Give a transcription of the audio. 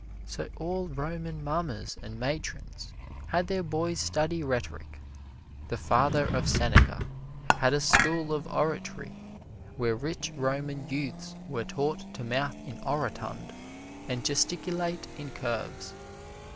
So all Roman mammas and matrons had their boys study rhetoric. The father of Seneca had a school of oratory where rich Roman youths were taught to mouth in orotund and gesticulate in curves.